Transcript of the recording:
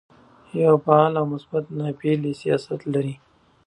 یو فعال او مثبت ناپېیلی سیاست لري.